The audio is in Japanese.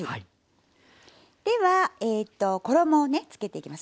では衣をねつけていきます。